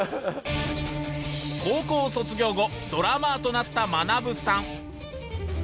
高校卒業後ドラマーとなったマナブさん。